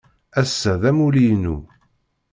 Ass-a d amulli-inu.